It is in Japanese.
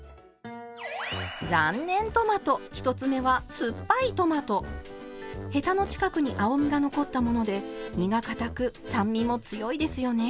残念トマト１つ目はヘタの近くに青みが残ったもので身がかたく酸味も強いですよね。